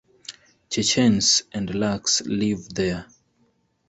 Chechens and Laks live there.